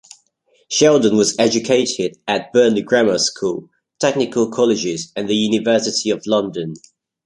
Sheldon was educated at Burnley Grammar School, technical colleges and the University of London.